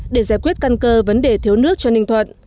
để giải quyết căn cơ vấn đề thiếu nước cho ninh thuận